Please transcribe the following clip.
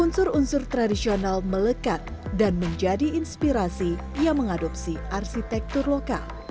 unsur unsur tradisional melekat dan menjadi inspirasi yang mengadopsi arsitektur lokal